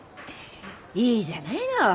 いいじゃないの。